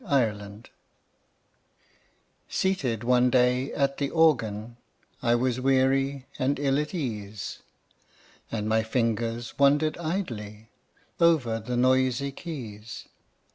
VERSE: A LOST CHORD Seated one day at the Organ, I was weary and ill at ease, And my fingers wandered idly Over the noisy keys.